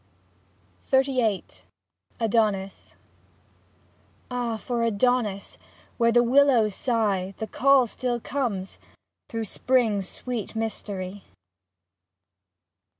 45 XXXVIII ADONIS Ah for Adonis ! (Where the willows sigh The call still comes Through spring's sweet mystery.)